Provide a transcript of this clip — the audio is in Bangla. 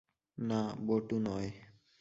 না বটু নয়।